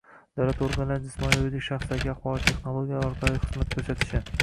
— davlat organlarining jismoniy va yuridik shaxslarga axborot texnologiyalarini orqali xizmat ko'rsatishi